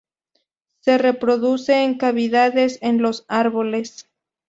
Se reproduce en cavidades en los árboles.